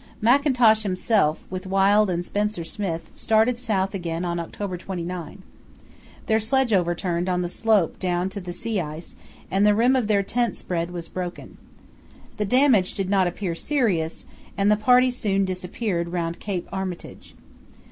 Mackintosh himself, with Wild and Spencer Smith, started south again on October 29. Their sledge overturned on the slope down to the sea ice, and the rim of their tent spread was broken. The damage did not appear serious, and the party soon disappeared round Cape Armitage.